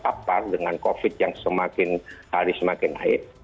kita tidak terpengaruh dengan covid yang semakin hari semakin naik